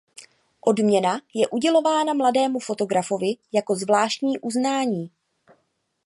Odměna je udělována mladému fotografovi jako zvláštní uznání.